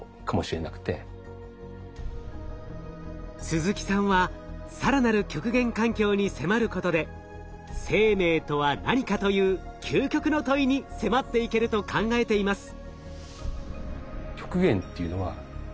鈴木さんは更なる極限環境に迫ることで「生命とは何か」という究極の問いに迫っていけると考えています。